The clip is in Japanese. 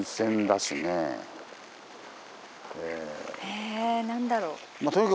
え何だろう。